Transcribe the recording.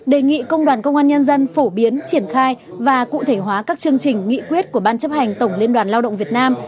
đề nghị công đoàn công an nhân dân phổ biến triển khai và cụ thể hóa các chương trình nghị quyết của ban chấp hành tổng liên đoàn lao động việt nam